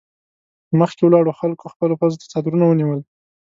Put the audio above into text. مخکې ولاړو خلکو خپلو پزو ته څادرونه ونيول.